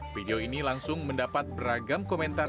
video ini langsung mendapat beragam komentar